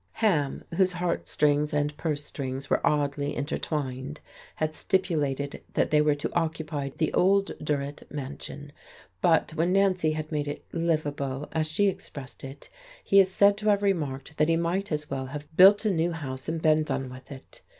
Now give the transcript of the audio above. Ham, whose heartstrings and purse strings were oddly intertwined, had stipulated that they were to occupy the old Durrett mansion; but when Nancy had made it "livable," as she expressed it, he is said to have remarked that he might as well have built a new house and been done with it.